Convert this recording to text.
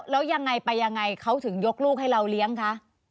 แล้วยังไงไปยังไงเขาถึงยกลูกให้เราเลี้ยงคะ